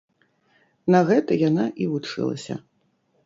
На гэта яна і вучылася.